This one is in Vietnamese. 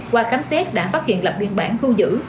qua khám xét đã phát hiện lập biên bản thu giữ